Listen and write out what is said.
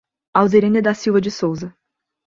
Auzirene da Silva de Souza